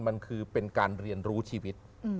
มันคือเป็นการเรียนรู้ชีวิต